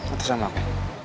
atau sama aku